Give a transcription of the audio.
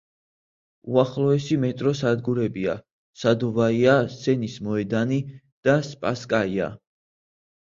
უახლოესი მეტროს სადგურებია „სადოვაია“, „სენის მოედანი“ და „სპასკაია“.